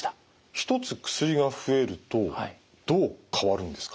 １つ薬が増えるとどう変わるんですか？